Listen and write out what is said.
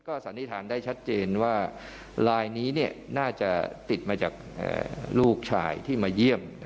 สันนิษฐานได้ชัดเจนว่าลายนี้น่าจะติดมาจากลูกชายที่มาเยี่ยม